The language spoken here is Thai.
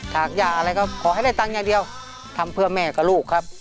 หากย่าอะไรก็ขอให้ได้ตังค์อย่างเดียวทำเพื่อแม่กับลูกครับ